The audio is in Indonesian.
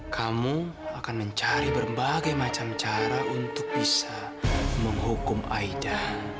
kamu akan mencari berbagai macam cara untuk bisa menghukum aida